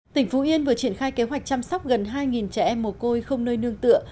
tỉnh phú yên vừa triển khai kế hoạch chăm sóc gần hai trẻ em mồ côi không nơi nương tựa